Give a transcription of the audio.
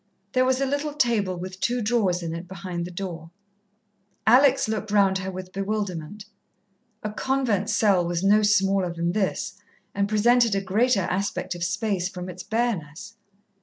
There was a little table with two drawers in it behind the door. Alex looked round her with bewilderment. A convent cell was no smaller than this, and presented a greater aspect of space from its bareness.